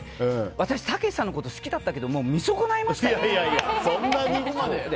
私、たけしさんのこと好きだったけどもう見損ないましたよって。